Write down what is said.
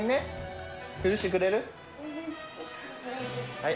はい。